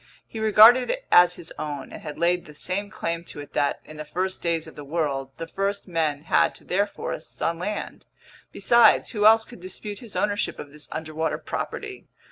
He regarded it as his own and had laid the same claim to it that, in the first days of the world, the first men had to their forests on land. Besides, who else could dispute his ownership of this underwater property?